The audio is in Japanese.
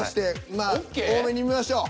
まあ大目に見ましょう。